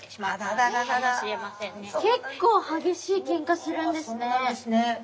結構激しいケンカするんですね！